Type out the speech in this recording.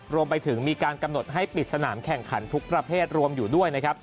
รวมไปถึงมีการกำหนดให้ปิดสนามแข่งขันทุกประเภทรวมอยู่ด้วยนะครับ